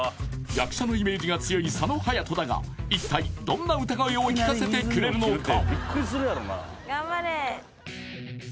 役者のイメージが強い佐野勇斗だが一体どんな歌声を聴かせてくれるのか？